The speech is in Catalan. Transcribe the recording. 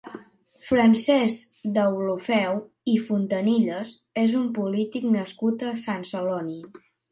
Francesc Deulofeu i Fontanillas és un polític nascut a Sant Celoni.